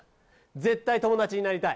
絶対、友達になりたい。